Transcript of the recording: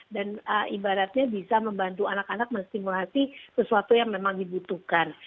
dan ibaratnya bisa membantu anak anak menstimulasi sesuatu yang memang dibutuhkan